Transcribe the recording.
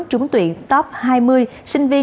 trúng tuyển top hai mươi sinh viên